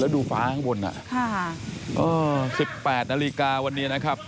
แล้วดูฟ้าข้างบนอ่ะค่ะอ๋อสิบแปดนาฬิกาวันนี้นะครับ